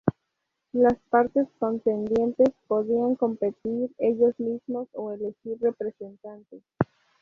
Las partes contendientes podían competir ellos mismos o elegir representantes.